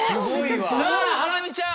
さぁハラミちゃん。